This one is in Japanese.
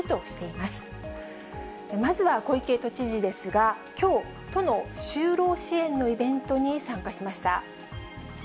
まずは小池都知事ですが、きょう、都の就労支援のイベントに参加しました。